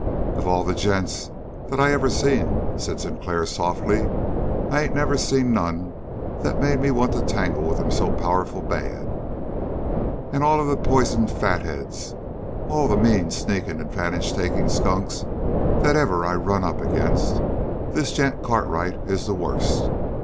"Of all the gents that I ever seen," said Sinclair softly, "I ain't never seen none that made me want to tangle with 'em so powerful bad. And of all the poisoned fatheads, all the mean, sneakin' advantage takin' skunks that ever I run up again', this gent Cartwright is the worst.